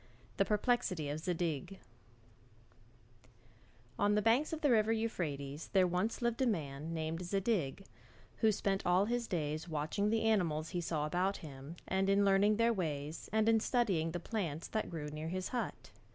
THE PERPLEXITY OF ZADIG On the banks of the river Euphrates there once lived a man called Zadig, who spent all his days watching the animals he saw about him and in learning their ways, and in studying the plants that grew near his hut.